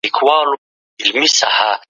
خو پایله یې ډېره لویه ده.